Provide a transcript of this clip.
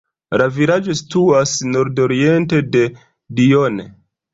La vilaĝo situas nordoriente de Dijon.